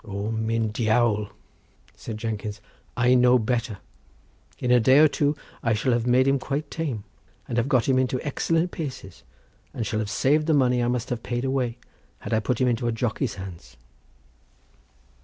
"O, myn Diawl!" said Jenkins, "I know better. In a day or two I shall have made him quite tame, and have got him into excellent paces, and shall have saved the money I must have paid away, had I put him into a jockey's hands."